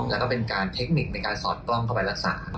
แล้วก็เป็นการเทคนิคในการสอดกล้องเข้าไปรักษา